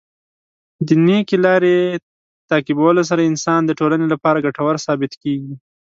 د نېکۍ لاره تعقیبولو سره انسان د ټولنې لپاره ګټور ثابت کیږي.